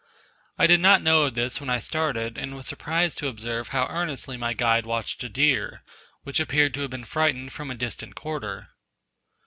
I did not know of this when I started, and was surprised to observe how earnestly my guide watched a deer, which appeared to have been frightened from a distant quarter.